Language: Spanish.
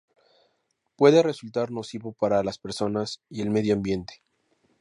Puede resultar nocivo para las personas y el medio ambiente.